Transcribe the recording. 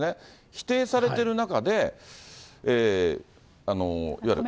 否定されてる中で、いわゆる。